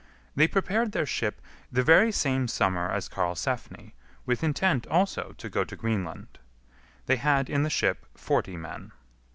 They prepared their ship the very same summer as Karlsefni, with intent also to go to Greenland. They had in the ship forty men.